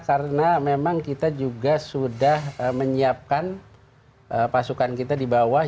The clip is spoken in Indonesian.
karena memang kita juga sudah menyiapkan pasukan kita di bawah